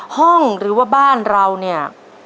ห้องหรือว่าบ้านเราเนี่ยมีรูปพระ